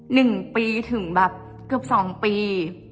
หนึ่งปีถึงแบบเกือบสองปี